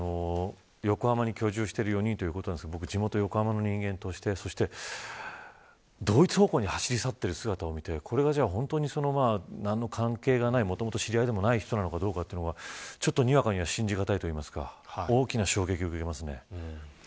横浜に居住している４人ということですが地元横浜の人間としてそして、同一方向に走り去っている姿を見て本当に何の関係がない知り合いでもない人なのかどうかにわかには信じがたいというか大きな衝撃を受けています。